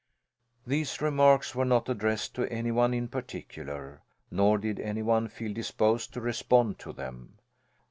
These remarks were not addressed to any one in particular, nor did any one feel disposed to respond to them.